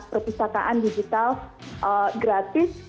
perpustakaan digital gratis